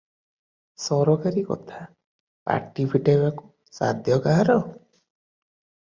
ସରକାରୀ କଥା, ପାଟି ଫିଟାଇବାକୁ ସାଧ୍ୟ କାହାର?